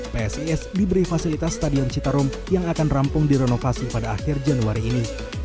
psis diberi fasilitas stadion citarum yang akan rampung direnovasi pada akhir januari ini